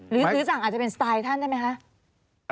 หรือซื้อสั่งอาจจะเป็นสไตล์ท่านได้ไหมคะ